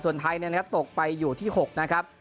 ส่วนไทยเนี่ยนะครับตกไปอยู่ที่๖นะครับ